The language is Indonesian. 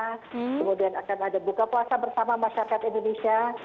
kemudian akan ada buka puasa bersama masyarakat indonesia